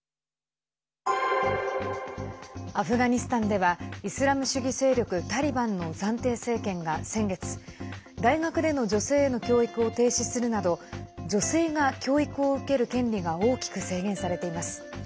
アフガニスタンではイスラム主義勢力タリバンの暫定政権が先月、大学での女性への教育を停止するなど女性が教育を受ける権利が大きく制限されています。